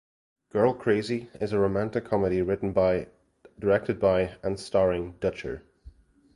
"Girl Crazy" is a romantic comedy written by, directed by, and starring Dutcher.